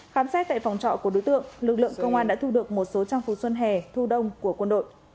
khám xét tại phòng trọ của đối tượng lực lượng công an đã thu được một số trang phục xuân hè thu đông của quân đội